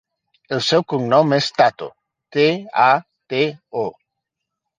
El seu cognom és Tato: te, a, te, o.